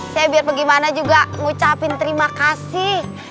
saya biar bagaimana juga ngucapin terima kasih